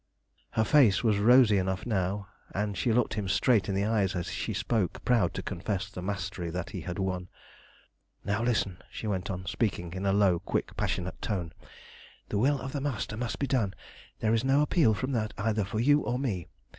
Her face was rosy enough now, and she looked him straight in the eyes as she spoke, proud to confess the mastery that he had won. "Now listen," she went on, speaking in a low, quick, passionate tone. "The will of the Master must be done. There is no appeal from that, either for you or me.